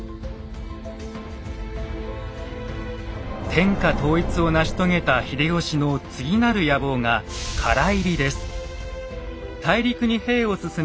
天下統一を成し遂げた秀吉の次なる野望が大陸に兵を進め